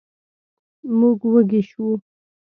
موږ وږي شوو.